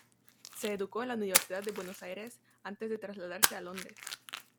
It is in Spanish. Se educó en la Universidad de Buenos Aires, antes de trasladarse a Londres.